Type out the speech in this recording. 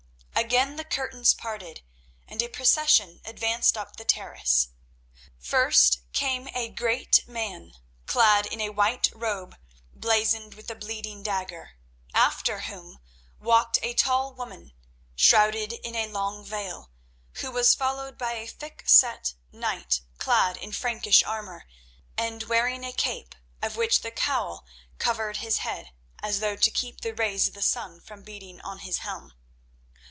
Again the curtains parted, and a procession advanced up the terrace. First came a great man clad in a white robe blazoned with the bleeding dagger, after whom walked a tall woman shrouded in a long veil, who was followed by a thick set knight clad in Frankish armour and wearing a cape of which the cowl covered his head as though to keep the rays of the sun from beating on his helm.